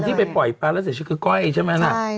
คนนี้ไปปล่อยเปล่าแล้วเสียชื่อก็อ้วยใช่มั้ยครับ